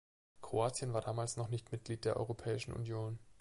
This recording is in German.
Kroatien war damals noch nicht Mitglied der Europäischen Union.